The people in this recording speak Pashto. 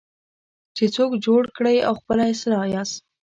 چې څوک جوړ کړئ او خپله اصلاح یاست.